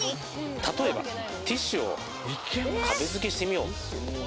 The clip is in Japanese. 例えばティッシュを壁付してみよう。